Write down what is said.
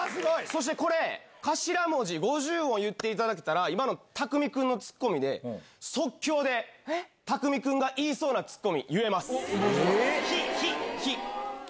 そしてこれ、頭文字５０音言っていただけたら、今のたくみくんのツッコミで、即興でたくみくんが言いそうなツひ。